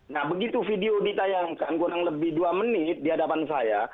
nah begitu video ditayangkan kurang lebih dua menit di hadapan saya